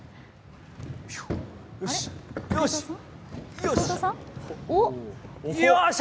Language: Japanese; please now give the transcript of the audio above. よし、よし！